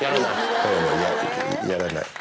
やれない？